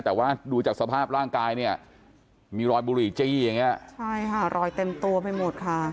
แต่ว่าดูจากสภาพร่างกายเนี่ยมีรอยบุหรี่จี้อย่างเงี้ยใช่ค่ะรอยเต็มตัวไปหมดค่ะ